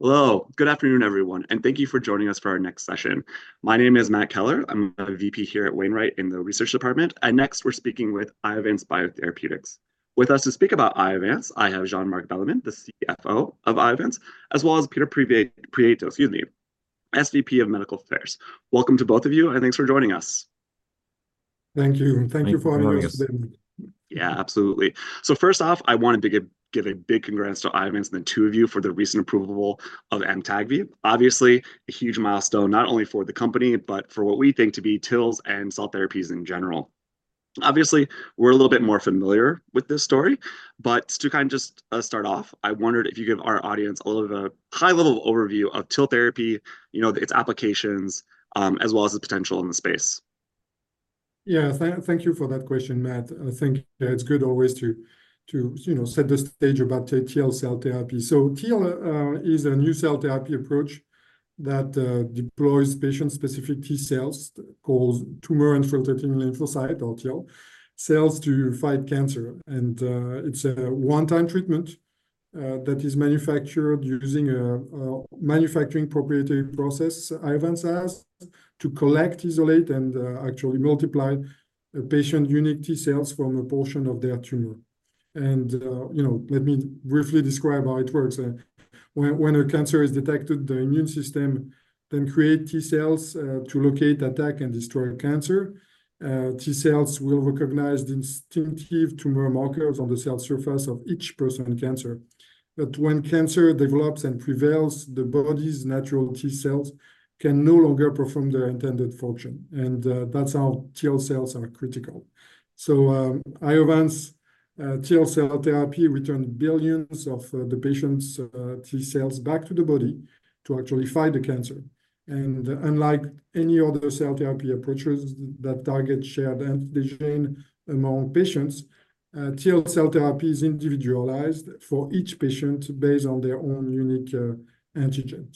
Hello, good afternoon everyone, and thank you for joining us for our next session. My name is Matt Keller, I'm a VP here at Wainwright in the Research Department, and next we're speaking with Iovance Biotherapeutics. With us to speak about Iovance, I have Jean-Marc Bellemin, the CFO of Iovance, as well as Peter Prieto, excuse me, SVP of Medical Affairs. Welcome to both of you, and thanks for joining us. Thank you. Thank you for having us today. Yeah, absolutely. So first off, I wanted to give a big congrats to Iovance and then two of you for the recent approval of Amtagvi. Obviously, a huge milestone not only for the company but for what we think to be TILs and cell therapies in general. Obviously, we're a little bit more familiar with this story, but to kind of just start off, I wondered if you could give our audience a little bit of a high-level overview of TIL therapy, you know, its applications, as well as its potential in the space. Yeah, thank you for that question, Matt. I think it's good always to, you know, set the stage about TIL cell therapy. So TIL is a new cell therapy approach that deploys patient-specific T cells called tumor-infiltrating lymphocyte, or TIL, cells to fight cancer. And it's a one-time treatment that is manufactured using a manufacturing proprietary process Iovance has to collect, isolate, and actually multiply patient-unique T cells from a portion of their tumor. And, you know, let me briefly describe how it works. When a cancer is detected, the immune system then creates T cells to locate, attack, and destroy cancer. T cells will recognize the distinctive tumor markers on the cell surface of each person with cancer. But when cancer develops and prevails, the body's natural T cells can no longer perform their intended function, and that's how TIL cells are critical. Iovance TIL cell therapy returns billions of the patient's T cells back to the body to actually fight the cancer. Unlike any other cell therapy approaches that target shared antigen among patients, TIL cell therapy is individualized for each patient based on their own unique antigen.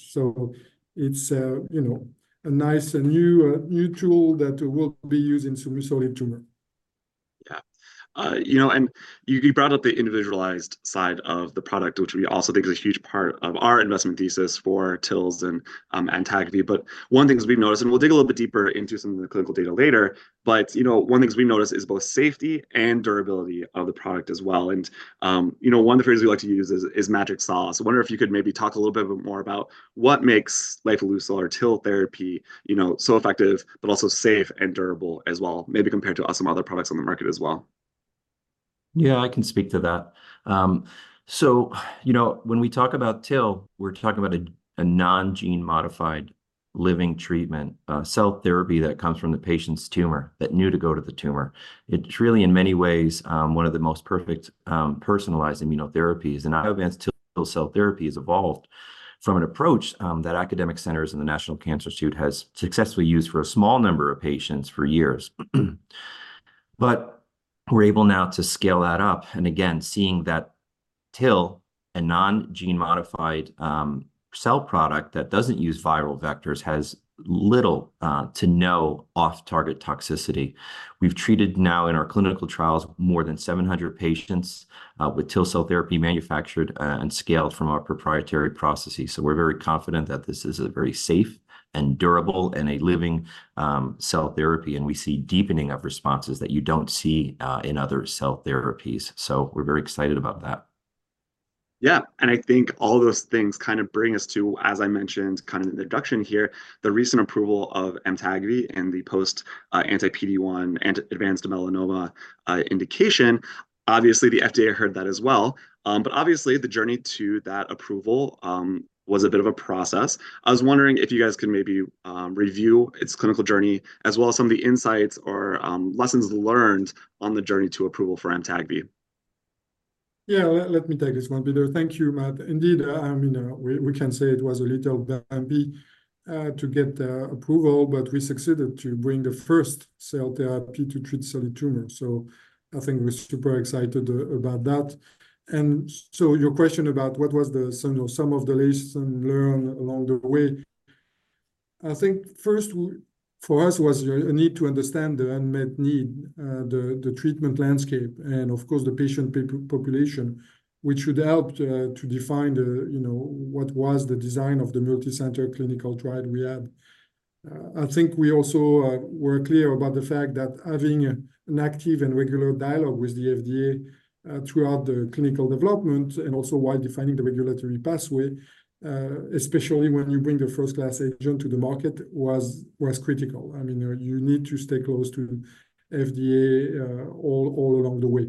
It's, you know, a nice new tool that will be used in solid tumor. Yeah. You know, and you brought up the individualized side of the product, which we also think is a huge part of our investment thesis for TILs and Amtagvi. But one thing we've noticed, and we'll dig a little bit deeper into some of the clinical data later, but, you know, one thing we've noticed is both safety and durability of the product as well. And, you know, one of the phrases we like to use is "magic saw." So I wonder if you could maybe talk a little bit more about what makes lifileucel or TIL therapy, you know, so effective but also safe and durable as well, maybe compared to some other products on the market as well. Yeah, I can speak to that. So, you know, when we talk about TIL, we're talking about a non-gene-modified living treatment, cell therapy that comes from the patient's tumor, that know to go to the tumor. It's really, in many ways, one of the most perfect personalized immunotherapies. And Iovance TIL cell therapy has evolved from an approach that academic centers and the National Cancer Institute have successfully used for a small number of patients for years. But we're able now to scale that up. And again, seeing that TIL, a non-gene-modified cell product that doesn't use viral vectors, has little to no off-target toxicity. We've treated now in our clinical trials more than 700 patients with TIL cell therapy manufactured and scaled from our proprietary processes. So we're very confident that this is a very safe and durable and a living cell therapy, and we see deepening of responses that you don't see in other cell therapies. So we're very excited about that. Yeah. And I think all those things kind of bring us to, as I mentioned kind of in the introduction here, the recent approval of Amtagvi and the post-anti-PD-1 advanced melanoma indication. Obviously, the FDA heard that as well. But obviously, the journey to that approval was a bit of a process. I was wondering if you guys could maybe review its clinical journey as well as some of the insights or lessons learned on the journey to approval for Amtagvi. Yeah, let me take this one, Peter. Thank you, Matt. Indeed, I mean, we can say it was a little bumpy to get approval, but we succeeded to bring the first cell therapy to treat solid tumor. So I think we're super excited about that. And so your question about what was the, you know, sum of the lessons learned along the way, I think first for us was a need to understand the unmet need, the treatment landscape, and of course the patient population, which should help to define, you know, what was the design of the multi-center clinical trial we had. I think we also were clear about the fact that having an active and regular dialogue with the FDA throughout the clinical development and also while defining the regulatory pathway, especially when you bring the first-in-class agent to the market, was critical. I mean, you need to stay close to FDA all along the way.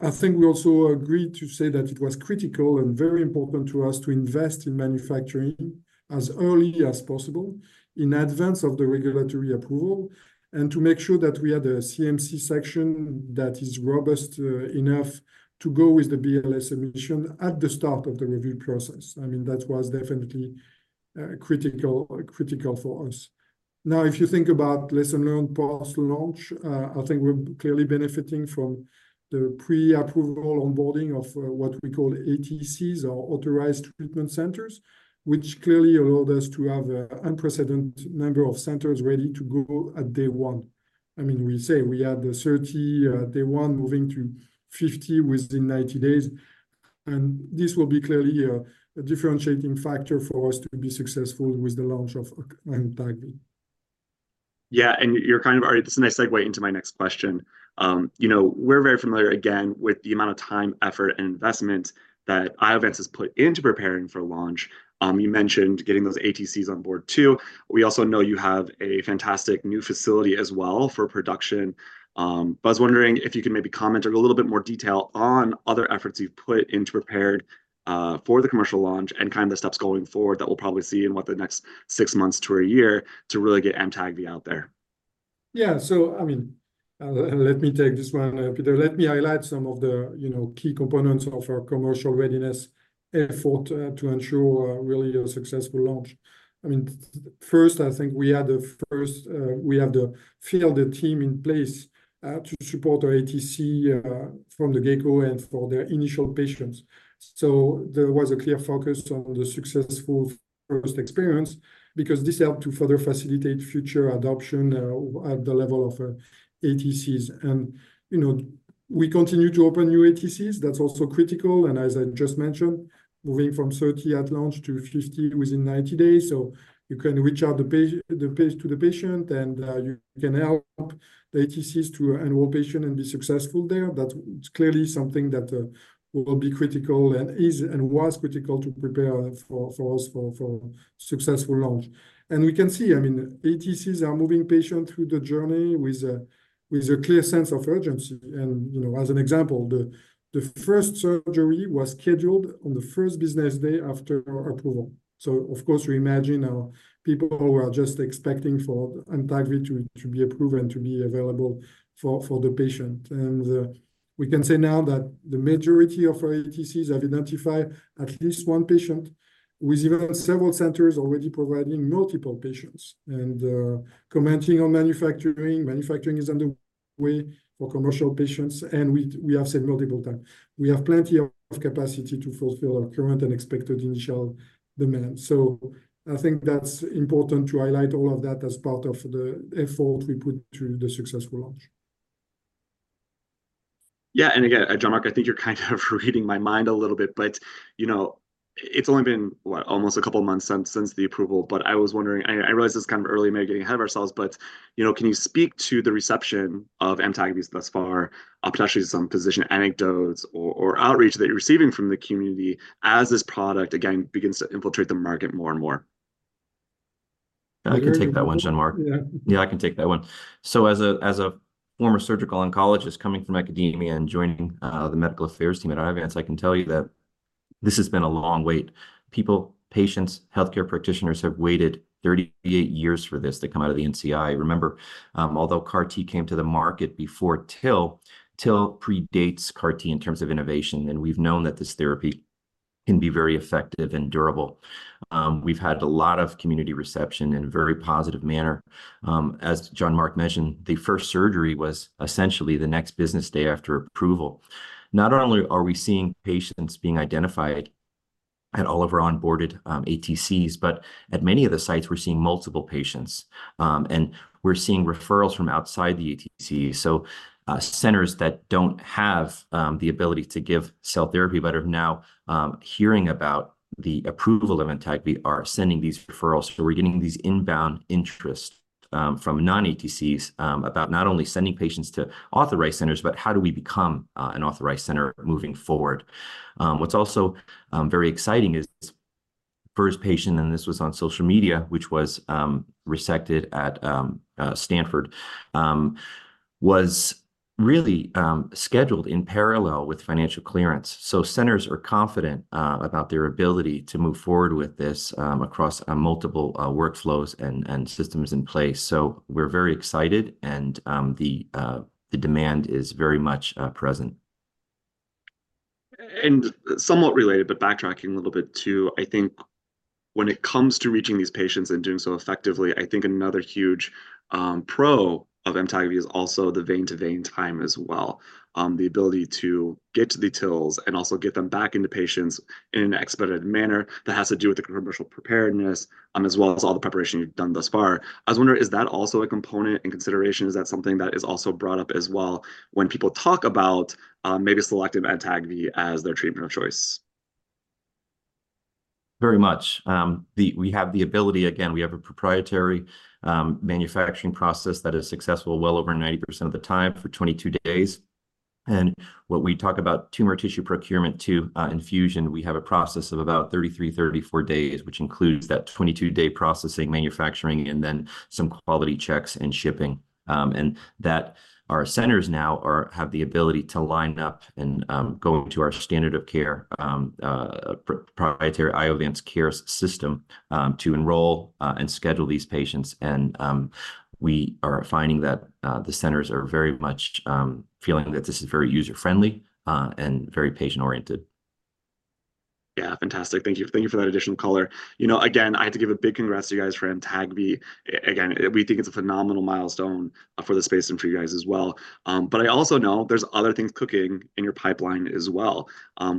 I think we also agreed to say that it was critical and very important to us to invest in manufacturing as early as possible in advance of the regulatory approval and to make sure that we had a CMC section that is robust enough to go with the BLA submission at the start of the review process. I mean, that was definitely critical for us. Now, if you think about lesson learned post-launch, I think we're clearly benefiting from the pre-approval onboarding of what we call ATCs, or Authorized Treatment Centers, which clearly allowed us to have an unprecedented number of centers ready to go at day one. I mean, we say we had 30 at day one, moving to 50 within 90 days. This will be clearly a differentiating factor for us to be successful with the launch of Amtagvi. Yeah, and you're kind of already—this is a nice segue into my next question. You know, we're very familiar, again, with the amount of time, effort, and investment that Iovance has put into preparing for launch. You mentioned getting those ATCs on board too. We also know you have a fantastic new facility as well for production. But I was wondering if you could maybe comment or give a little bit more detail on other efforts you've put into preparing for the commercial launch and kind of the steps going forward that we'll probably see in what the next six months to a year to really get Amtagvi out there. Yeah, so I mean, let me take this one, Peter. Let me highlight some of the, you know, key components of our commercial readiness effort to ensure really a successful launch. I mean, first, I think we had the first—we have the field team in place to support our ATC from the get-go and for their initial patients. So there was a clear focus on the successful first experience because this helped to further facilitate future adoption at the level of ATCs. And, you know, we continue to open new ATCs. That's also critical. And as I just mentioned, moving from 30 at launch to 50 within 90 days. So you can reach out to the patient and you can help the ATCs to enroll patients and be successful there. That's clearly something that will be critical and is and was critical to prepare for us for successful launch. We can see, I mean, ATCs are moving patients through the journey with a clear sense of urgency. You know, as an example, the first surgery was scheduled on the first business day after approval. Of course, you imagine our people who are just expecting for Amtagvi to be approved and to be available for the patient. We can say now that the majority of our ATCs have identified at least one patient with even several centers already providing multiple patients and commenting on manufacturing. Manufacturing is underway for commercial patients, and we have said multiple times, we have plenty of capacity to fulfill our current and expected initial demand. I think that's important to highlight all of that as part of the effort we put into the successful launch. Yeah. And again, Jean-Marc, I think you're kind of reading my mind a little bit, but, you know, it's only been, what, almost a couple of months since the approval. But I was wondering, I realize this is kind of early, maybe getting ahead of ourselves, but, you know, can you speak to the reception of Amtagvi thus far, potentially some physician anecdotes or outreach that you're receiving from the community as this product, again, begins to infiltrate the market more and more? Yeah, I can take that one, Jean-Marc? Yeah. Yeah, I can take that one. So as a former surgical oncologist coming from academia and joining the medical affairs team at Iovance, I can tell you that this has been a long wait. People, patients, healthcare practitioners have waited 38 years for this to come out of the NCI. Remember, although CAR-T came to the market before TIL, TIL predates CAR-T in terms of innovation, and we've known that this therapy can be very effective and durable. We've had a lot of community reception in a very positive manner. As Jean-Marc mentioned, the first surgery was essentially the next business day after approval. Not only are we seeing patients being identified at all of our onboarded ATCs, but at many of the sites, we're seeing multiple patients, and we're seeing referrals from outside the ATCs. Centers that don't have the ability to give cell therapy but are now hearing about the approval of Amtagvi are sending these referrals. We're getting these inbound interests from non-ATCs about not only sending patients to authorized centers, but how do we become an authorized center moving forward? What's also very exciting is the first patient, and this was on social media, which was resected at Stanford, was really scheduled in parallel with financial clearance. Centers are confident about their ability to move forward with this across multiple workflows and systems in place. We're very excited, and the demand is very much present. Somewhat related, but backtracking a little bit too, I think when it comes to reaching these patients and doing so effectively, I think another huge pro of Amtagvi is also the vein-to-vein time as well, the ability to get to the TILs and also get them back into patients in an expedited manner that has to do with the commercial preparedness as well as all the preparation you've done thus far. I was wondering, is that also a component in consideration? Is that something that is also brought up as well when people talk about maybe selecting Amtagvi as their treatment of choice? Very much. We have the ability, again, we have a proprietary manufacturing process that is successful well over 90% of the time for 22 days. And what we talk about tumor tissue procurement to infusion, we have a process of about 33-34 days, which includes that 22-day processing, manufacturing, and then some quality checks and shipping. And our centers now have the ability to line up and go into our standard of care, proprietary Iovance Care system, to enroll and schedule these patients. And we are finding that the centers are very much feeling that this is very user-friendly and very patient-oriented. Yeah, fantastic. Thank you. Thank you for that additional color. You know, again, I have to give a big congrats to you guys for Amtagvi. Again, we think it's a phenomenal milestone for the space and for you guys as well. But I also know there's other things cooking in your pipeline as well.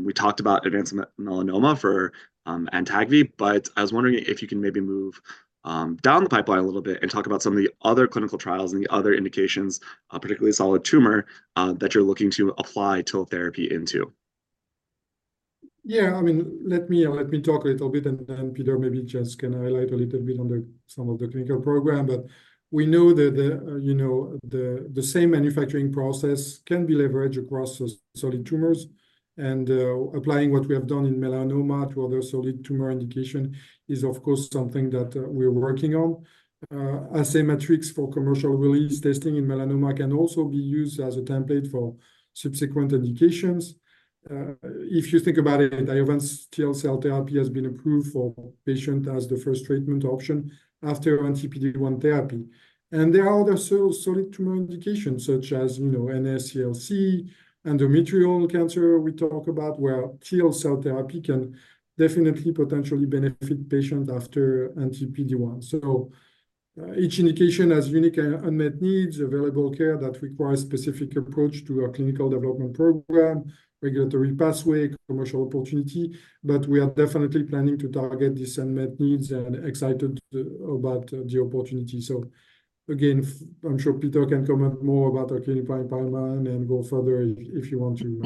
We talked about advanced melanoma for Amtagvi, but I was wondering if you can maybe move down the pipeline a little bit and talk about some of the other clinical trials and the other indications, particularly solid tumor, that you're looking to apply TIL therapy into. Yeah, I mean, let me talk a little bit, and then Peter maybe just can highlight a little bit on some of the clinical program. But we know that, you know, the same manufacturing process can be leveraged across solid tumors. And applying what we have done in melanoma to other solid tumor indications is, of course, something that we're working on. Assay matrix for commercial release testing in melanoma can also be used as a template for subsequent indications. If you think about it, Iovance TIL cell therapy has been approved for patients as the first treatment option after anti-PD-1 therapy. And there are other solid tumor indications such as, you know, NSCLC, endometrial cancer we talk about, where TIL cell therapy can definitely potentially benefit patients after anti-PD-1. So each indication has unique unmet needs, available care that requires a specific approach to our clinical development program, regulatory pathway, commercial opportunity. But we are definitely planning to target these unmet needs and excited about the opportunity. So again, I'm sure Peter can comment more about our clinical pipeline and go further if you want to.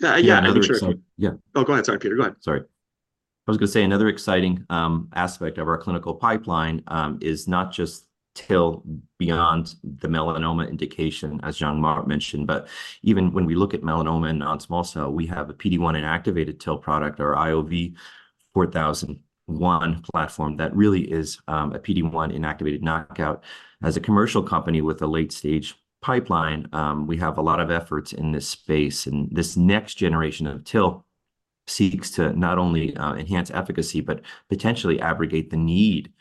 Yeah, I think so. Yeah. Oh, go ahead. Sorry, Peter. Go ahead. Sorry. I was going to say another exciting aspect of our clinical pipeline is not just TIL beyond the melanoma indication, as Jean-Marc mentioned, but even when we look at melanoma and non-small cell, we have a PD-1 inactivated TIL product, our IOV-4001 platform, that really is a PD-1 inactivated knockout. As a commercial company with a late-stage pipeline, we have a lot of efforts in this space. This next generation of TIL seeks to not only enhance efficacy but potentially abrogate the need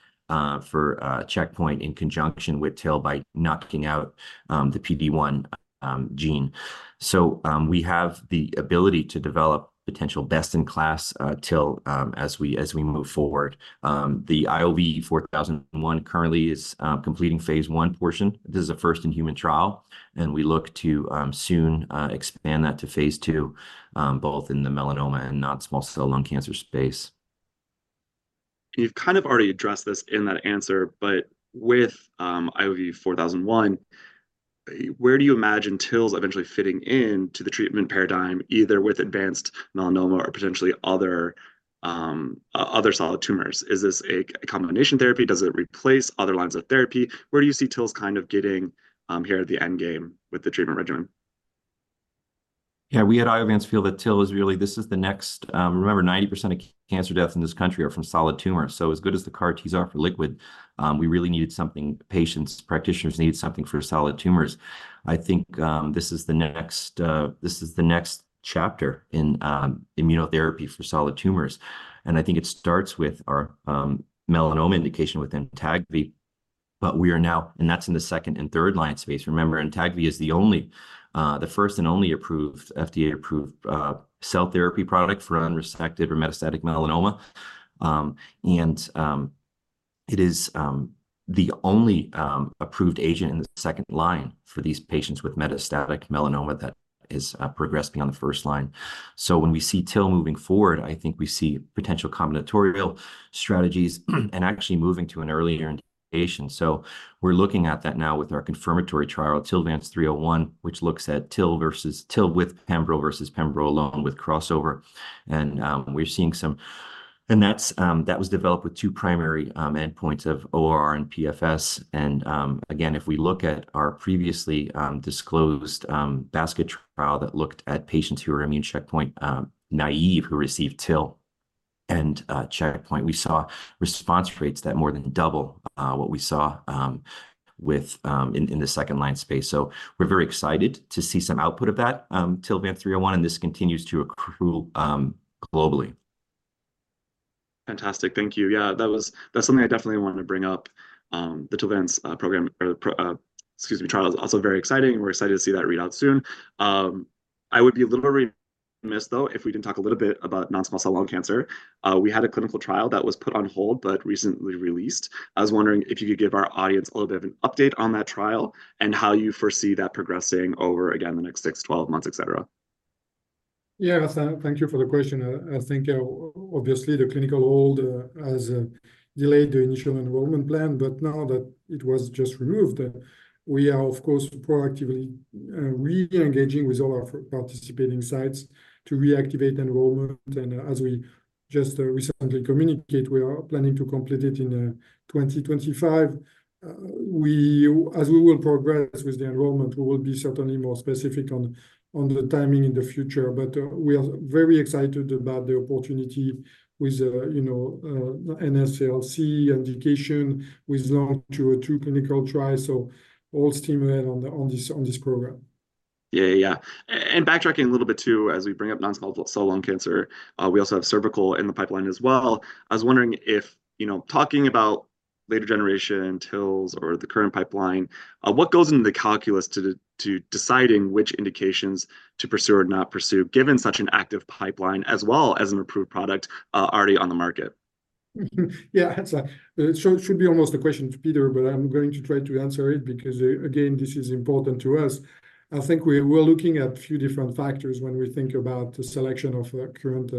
for checkpoint in conjunction with TIL by knocking out the PD-1 gene. So we have the ability to develop potential best-in-class TIL as we move forward. The IOV-4001 currently is completing phase I portion. This is a first-in-human trial, and we look to soon expand that to phase II, both in the melanoma and non-small cell lung cancer space. You've kind of already addressed this in that answer, but with IOV-4001, where do you imagine TILs eventually fitting into the treatment paradigm, either with advanced melanoma or potentially other solid tumors? Is this a combination therapy? Does it replace other lines of therapy? Where do you see TILs kind of getting here at the end game with the treatment regimen? Yeah, we at Iovance feel that TIL is really—this is the next—remember, 90% of cancer deaths in this country are from solid tumors. So as good as the CAR-Ts are for liquid, we really needed something; patients, practitioners needed something for solid tumors. I think this is the next—this is the next chapter in immunotherapy for solid tumors. And I think it starts with our melanoma indication with Amtagvi. But we are now—and that's in the second- and third-line space. Remember, Amtagvi is the first and only approved FDA-approved cell therapy product for unresectable or metastatic melanoma. And it is the only approved agent in the second line for these patients with metastatic melanoma that is progressed beyond the first line. So when we see TIL moving forward, I think we see potential combinatorial strategies and actually moving to an earlier indication. So we're looking at that now with our confirmatory trial, TILVANCE-301, which looks at TIL versus TIL with Pembro versus Pembro alone with crossover. And we're seeing some, and that was developed with two primary endpoints of ORR and PFS. And again, if we look at our previously disclosed basket trial that looked at patients who were immune checkpoint naïve, who received TIL and checkpoint, we saw response rates that more than doubled what we saw in the second line space. So we're very excited to see some output of that TILVANCE-301, and this continues to accrue globally. Fantastic. Thank you. Yeah, that was something I definitely wanted to bring up. The TILVANCE program, excuse me, trial is also very exciting, and we're excited to see that readout soon. I would be a little remiss though if we didn't talk a little bit about non-small cell lung cancer. We had a clinical trial that was put on hold but recently released. I was wondering if you could give our audience a little bit of an update on that trial and how you foresee that progressing over, again, the next six, 12 months, etc. Yeah, thank you for the question. I think, obviously, the clinical hold has delayed the initial enrollment plan, but now that it was just removed, we are, of course, proactively re-engaging with all our participating sites to reactivate enrollment. As we just recently communicated, we are planning to complete it in 2025. As we will progress with the enrollment, we will be certainly more specific on the timing in the future. But we are very excited about the opportunity with, you know, NSCLC indication with IOV-LUN-202 clinical trial. So all stimuli on this program. Yeah, yeah, yeah. And backtracking a little bit too, as we bring up non-small cell lung cancer, we also have cervical in the pipeline as well. I was wondering if, you know, talking about later generation TILs or the current pipeline, what goes into the calculus to deciding which indications to pursue or not pursue given such an active pipeline as well as an approved product already on the market? Yeah, that's a it should be almost a question to Peter, but I'm going to try to answer it because, again, this is important to us. I think we're looking at a few different factors when we think about the selection of current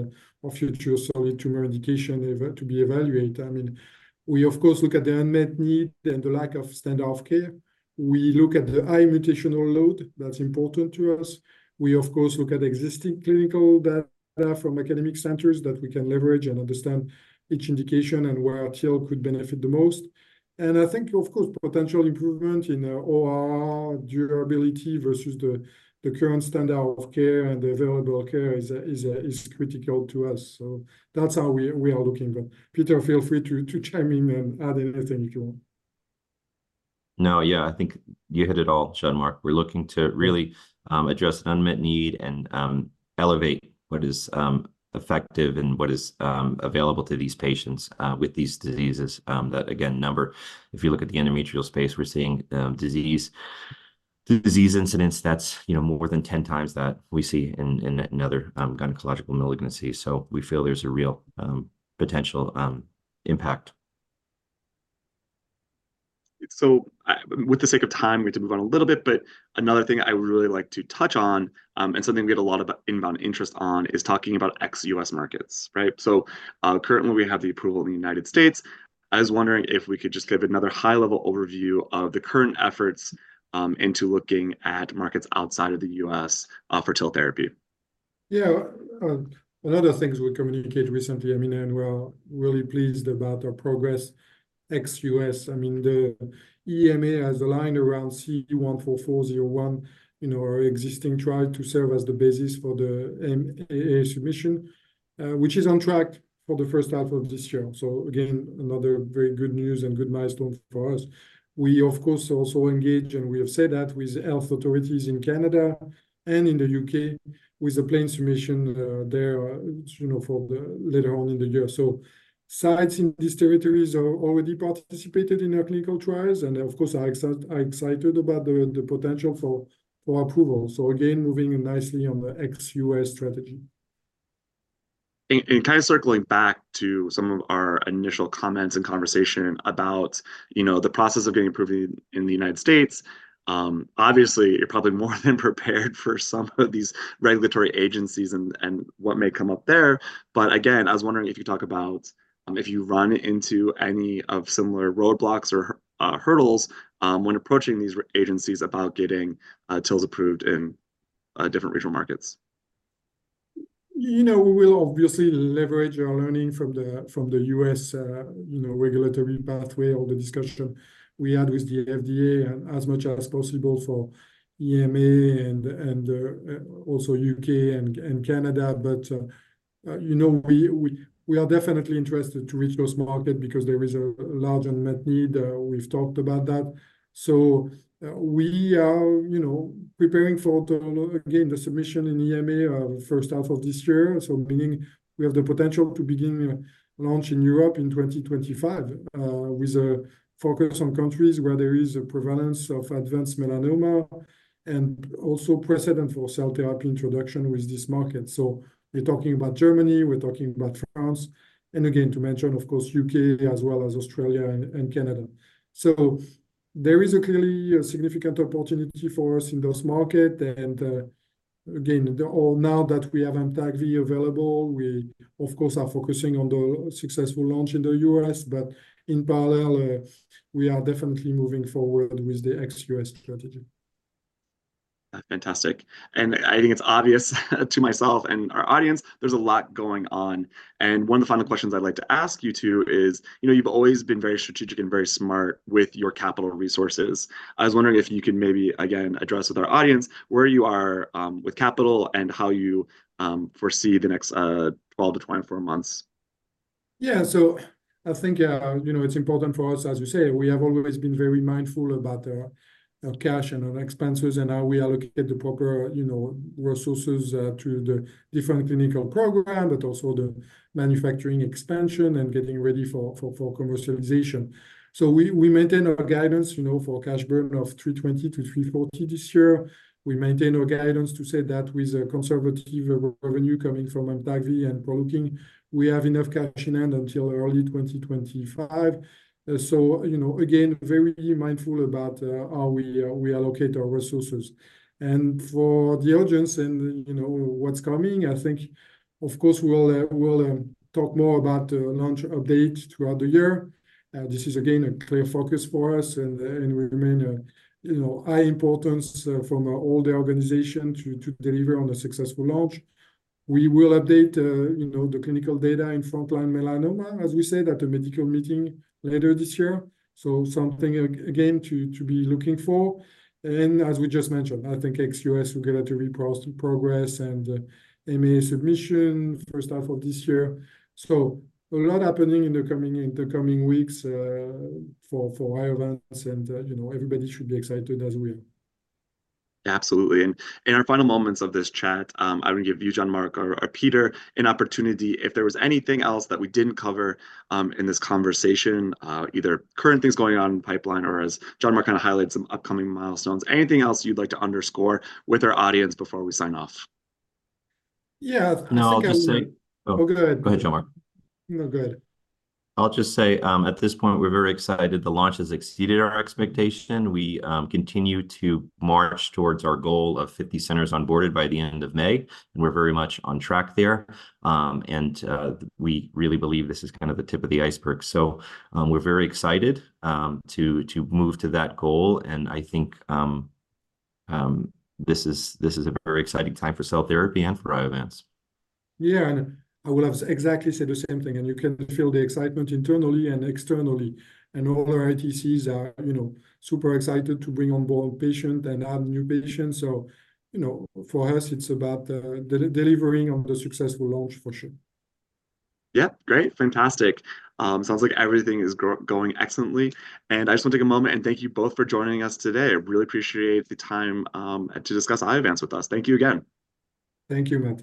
or future solid tumor indications to be evaluated. I mean, we, of course, look at the unmet need and the lack of standard of care. We look at the high mutational load that's important to us. We, of course, look at existing clinical data from academic centers that we can leverage and understand each indication and where TIL could benefit the most. And I think, of course, potential improvement in ORR, durability versus the current standard of care and the available care is critical to us. So that's how we are looking. But Peter, feel free to chime in and add anything if you want. No, yeah, I think you hit it all, Jean-Marc. We're looking to really address unmet need and elevate what is effective and what is available to these patients with these diseases that, again, number. If you look at the endometrial space, we're seeing disease incidence that's, you know, more than 10 times that we see in other gynecological malignancies. So we feel there's a real potential impact. For the sake of time, we have to move on a little bit. Another thing I would really like to touch on and something we get a lot of inbound interest on is talking about ex-U.S. markets, right? Currently, we have the approval in the United States. I was wondering if we could just give another high-level overview of the current efforts into looking at markets outside of the U.S. for TIL therapy. Yeah, one of the things we communicated recently, I mean, and we're really pleased about our progress ex-U.S. I mean, the EMA has aligned around C-144-01 in our existing trial to serve as the basis for the submission, which is on track for the first half of this year. So again, another very good news and good milestone for us. We, of course, also engage, and we have said that, with health authorities in Canada and in the U.K. with a planned submission there, you know, for later on in the year. So sites in these territories have already participated in our clinical trials, and of course, are excited about the potential for approval. So again, moving nicely on the ex-U.S. strategy. And kind of circling back to some of our initial comments and conversation about, you know, the process of getting approved in the United States, obviously, you're probably more than prepared for some of these regulatory agencies and what may come up there. But again, I was wondering if you talk about if you run into any of similar roadblocks or hurdles when approaching these agencies about getting TILs approved in different regional markets? You know, we will obviously leverage our learning from the U.S. regulatory pathway, all the discussion we had with the FDA, and as much as possible for EMA and also U.K. and Canada. But, you know, we are definitely interested to reach those markets because there is a large unmet need. We've talked about that. So we are, you know, preparing for, again, the submission in EMA first half of this year, so meaning we have the potential to begin launch in Europe in 2025 with a focus on countries where there is a prevalence of advanced melanoma and also precedent for cell therapy introduction with this market. So we're talking about Germany, we're talking about France, and again, to mention, of course, U.K. as well as Australia and Canada. So there is clearly a significant opportunity for us in those markets. Again, now that we have Amtagvi available, we, of course, are focusing on the successful launch in the U.S., but in parallel, we are definitely moving forward with the ex-U.S. strategy. Fantastic. I think it's obvious to myself and our audience, there's a lot going on. One of the final questions I'd like to ask you two is, you know, you've always been very strategic and very smart with your capital resources. I was wondering if you could maybe, again, address with our audience where you are with capital and how you foresee the next 12-24 months. Yeah, so I think, you know, it's important for us, as you say, we have always been very mindful about our cash and our expenses and how we allocate the proper, you know, resources to the different clinical programs, but also the manufacturing expansion and getting ready for commercialization. So we maintain our guidance, you know, for cash burn of $320-$340 this year. We maintain our guidance to say that with conservative revenue coming from Amtagvi and Proleukin, we have enough cash in hand until early 2025. So, you know, again, very mindful about how we allocate our resources. And for the audience and, you know, what's coming, I think, of course, we'll talk more about the launch update throughout the year. This is, again, a clear focus for us, and we remain, you know, high importance from all the organizations to deliver on a successful launch. We will update, you know, the clinical data in frontline melanoma, as we said, at a medical meeting later this year. So something, again, to be looking for. As we just mentioned, I think ex-U.S., we'll get a three-process progress and MA submission first half of this year. So a lot happening in the coming weeks for Iovance, and, you know, everybody should be excited as we are. Absolutely. In our final moments of this chat, I want to give you, Jean-Marc, or Peter, an opportunity if there was anything else that we didn't cover in this conversation, either current things going on in the pipeline or, as Jean-Marc kind of highlighted, some upcoming milestones, anything else you'd like to underscore with our audience before we sign off? Yeah, I think I'm just saying. No, I'll just say. Oh, good. Go ahead, Jean-Marc. No, good. I'll just say at this point, we're very excited. The launch has exceeded our expectation. We continue to march towards our goal of 50 centers onboarded by the end of May, and we're very much on track there. And we really believe this is kind of the tip of the iceberg. So we're very excited to move to that goal. And I think this is a very exciting time for cell therapy and for Iovance. Yeah, and I will have exactly said the same thing. You can feel the excitement internally and externally. All our ATCs are, you know, super excited to bring onboard patients and add new patients. So, you know, for us, it's about delivering on the successful launch for sure. Yep, great. Fantastic. Sounds like everything is going excellently. I just want to take a moment and thank you both for joining us today. I really appreciate the time to discuss Iovance with us. Thank you again. Thank you, Matt.